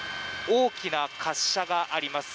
大きな滑車があります。